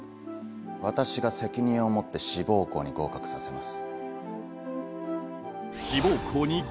私が責任を持って志望校に合格させます。